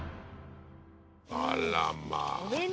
あらまぁ。